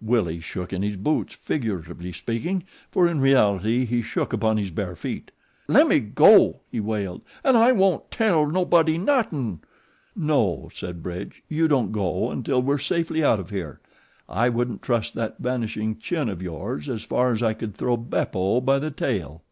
Willie shook in his boots, figuratively speaking, for in reality he shook upon his bare feet. "Lemme go," he wailed, "an' I won't tell nobody nothin'." "No," said Bridge, "you don't go until we're safely out of here. I wouldn't trust that vanishing chin of yours as far as I could throw Beppo by the tail."